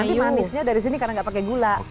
nanti manisnya dari sini karena nggak pakai gula